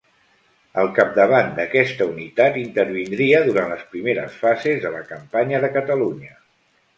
Al capdavant d'aquesta unitat intervindria durant les primeres fases de la campanya de Catalunya.